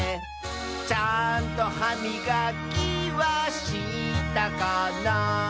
「ちゃんとはみがきはしたかな」